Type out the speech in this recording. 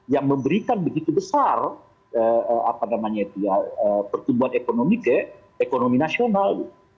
yang memberikan begitu besar pertumbuhan ekonomi ke ekonomi nasional